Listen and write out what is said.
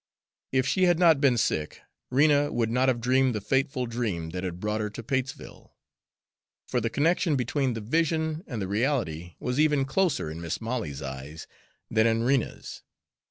If she had not been sick, Rena would not have dreamed the fateful dream that had brought her to Patesville; for the connection between the vision and the reality was even closer in Mis' Molly's eyes than in Rena's.